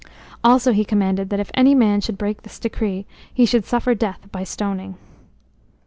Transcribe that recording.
Also he commanded that if any man should break this decree he should suffer death by stoning.